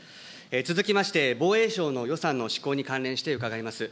続きまして、防衛省の予算の施行に関連して伺います。